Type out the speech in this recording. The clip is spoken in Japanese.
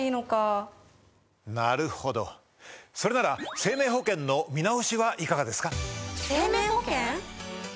なるほどそれなら生命保険の見直しはいかがですか？